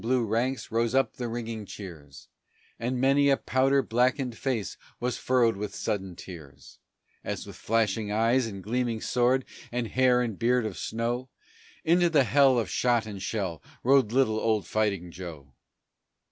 From end to end of the long blue ranks rose up the ringing cheers, And many a powder blackened face was furrowed with sudden tears, As with flashing eyes and gleaming sword, and hair and beard of snow, Into the hell of shot and shell rode little old Fighting Joe!